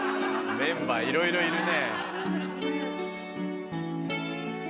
メンバーいろいろいるね。